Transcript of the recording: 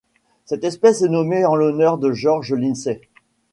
Cette espèce est nommée en l'honneur de George Lindsay.